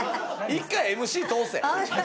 一回ＭＣ通せ。